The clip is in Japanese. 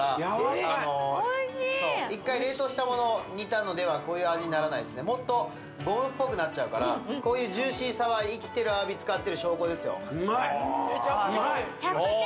一回冷凍したものを煮たのではこういう味にならないですねもっとゴムっぽくなっちゃうからこういうジューシーさは生きてるアワビ使ってる証拠ですようまいっうまい！